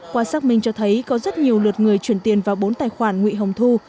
qua xác minh cho thấy có rất nhiều lượt người chuyển tiền vào bốn tài khoản nguy hồng thu